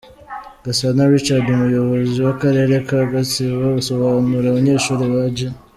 Gasana Richard, umuyobozi w'akarere ka Gatsibo asobanurira abanyeshuri ba G.